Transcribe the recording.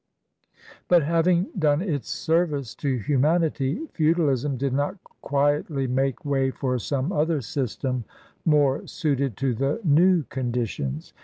But, having done its service to humanity, feudal ism did not quietly make way for some other system more suited to the new conditions.